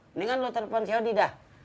mendingan lu telepon si yodi dah